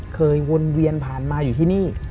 วนเวียนผ่านมาอยู่ที่นี่